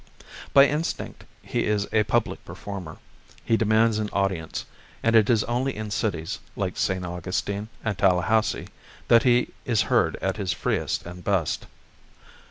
By instinct he is a public performer, he demands an audience; and it is only in cities, like St. Augustine and Tallahassee, that he is heard at his freest and best.